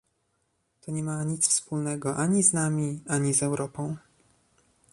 To nie ma nic wspólnego ani z nami, ani z Europą"